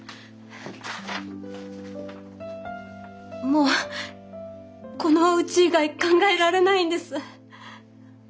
もうこのうち以外考えられないんです。